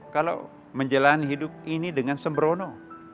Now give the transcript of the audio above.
kalau menjalani hidup ini dengan sembrono